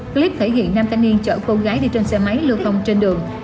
clip thể hiện nam thanh niên chở cô gái đi trên xe máy lưu thông trên đường